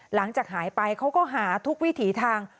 หลังจากหายไปเขาก็หาทุกวิถีทาง